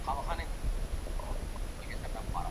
فاميل او دوستان په سپکه سترګه ورته ګوري